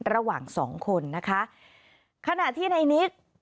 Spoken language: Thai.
ระหว่างสองคนนะคะขณะที่ในนิก